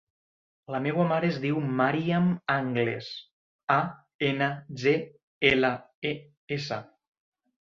La meva mare es diu Maryam Angles: a, ena, ge, ela, e, essa.